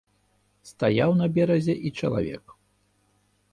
Стаяў на беразе і чалавек.